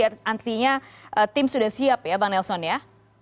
artinya tim sudah siap ya bang nelson ya